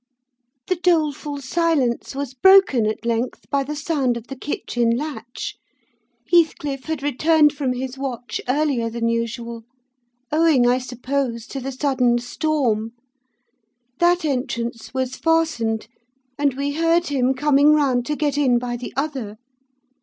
"The doleful silence was broken at length by the sound of the kitchen latch: Heathcliff had returned from his watch earlier than usual; owing, I suppose, to the sudden storm. That entrance was fastened, and we heard him coming round to get in by the other.